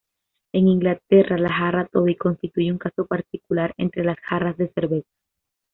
En Inglaterra, la "jarra Toby" constituye un caso particular entre las jarras de cerveza.